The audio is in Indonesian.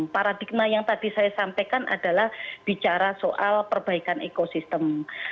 paradigma yang tadi saya sampaikan adalah bicara soal perbaikan ekosistem